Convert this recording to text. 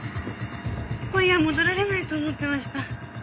今夜は戻られないと思ってました。